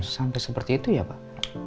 sampai seperti itu ya pak